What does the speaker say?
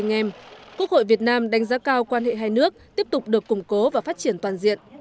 trong chuyến thăm quốc hội việt nam đánh giá cao quan hệ hai nước tiếp tục được củng cố và phát triển toàn diện